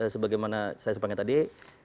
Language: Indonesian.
sebagai mana saya sempatnya tadi